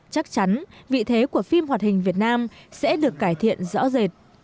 chắc chắn vị thế của phim hoạt hình việt nam sẽ được cải thiện rõ rệt